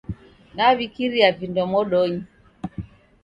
Naw'ikiria vindo modonyi